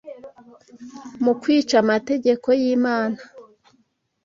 mu kwica amategeko y’Imana